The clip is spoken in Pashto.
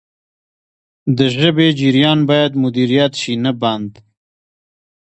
د ژبې جریان باید مدیریت شي نه بند.